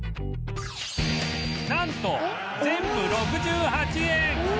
なんと全部６８円！